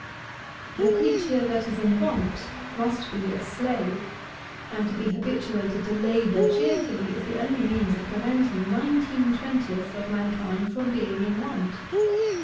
The creature that is in want must be a slave; and to be habituated to labour cheerfully is the only means of preventing nineteen twentieths of mankind from being in want.